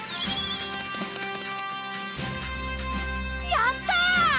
やった！